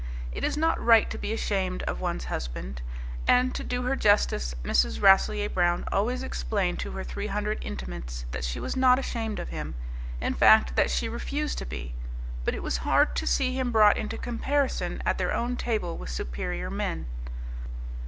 It is not right to be ashamed of one's husband. And to do her justice, Mrs. Rasselyer Brown always explained to her three hundred intimates that she was not ashamed of him; in fact, that she refused to be. But it was hard to see him brought into comparison at their own table with superior men.